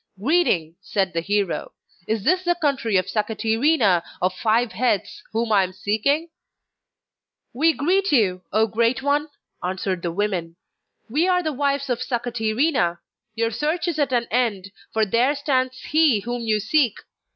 'Greeting!' said the hero. 'Is this the country of Sakatirina of five heads, whom I am seeking?' 'We greet you, O Great One!' answered the women. 'We are the wives of Sakatirina; your search is at an end, for there stands he whom you seek!